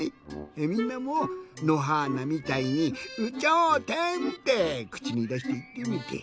みんなものはーなみたいに「有頂天」ってくちにだしていってみて。